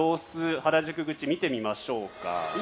原宿口、見てみましょうか。